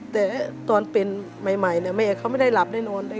แต่ตอนเป็นใหม่แม่เขาไม่ได้หลับได้นอนเลย